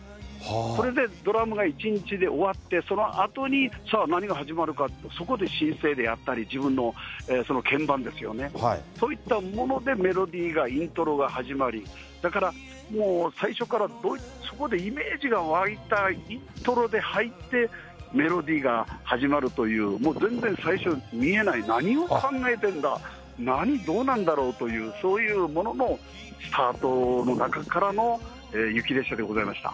それでドラムが一日で終わって、そのあとに、さあ、何が始まるかっていうと、そこでシンセでやったり、自分のその鍵盤ですよね、そういったものでメロディーが、イントロが始まり、だからもう、最初からそこでイメージが湧いたイントロで入って、メロディーが始まるという、もう全然最初、見えない、何を考えてんだ、何、どうなんだろうという、そういうもののスタートの中からの雪列車でございました。